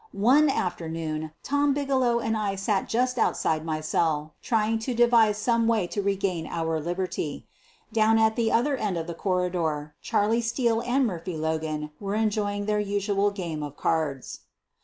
One afternoon Tom Bigelow and I sut just outside 142 SOPHIE LYONS my cell trying to devise some way to regain our liberty. Down at the other end of the corridor, Charlie Steele and Murphy Logan were enjoying their usual game of cards.